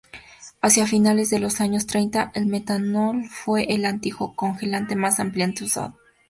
Hacia finales de los años treinta el metanol fue el anticongelante más ampliamente usado.